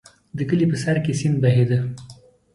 د کلي په سر کې سیند بهېده.